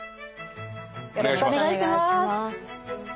よろしくお願いします。